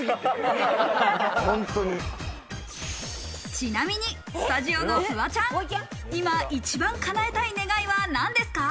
ちなみにスタジオのフワちゃん、今、一番叶えたい願いは何ですか？